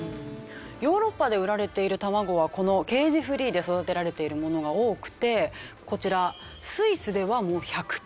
ヨーロッパで売られている卵はこのケージフリーで育てられているものが多くてこちらスイスではもう１００パーセント。